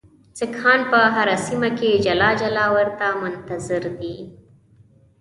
سیکهان په هره سیمه کې جلا جلا ورته منتظر دي.